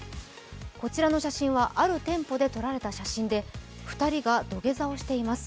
こちらの写真はある店舗で撮られた写真で２人が土下座をしています。